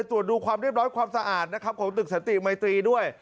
ตรวจดูความเรียบร้อยความสะอาดนะครับของตึกสันติมัยตรีด้วย